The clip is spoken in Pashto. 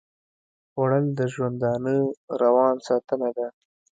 خوړل د ژوندانه روان ساتنه ده